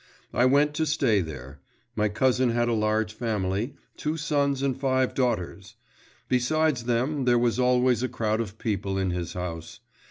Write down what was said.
I went to stay there. My cousin had a large family; two sons and five daughters. Besides them, there was always a crowd of people in his house.